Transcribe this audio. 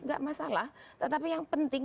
enggak masalah tetapi yang penting